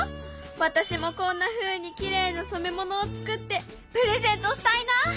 私もこんなふうにきれいな染め物を作ってプレゼントしたいな！